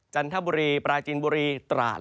จันทบุรีปราจินบุรีตราด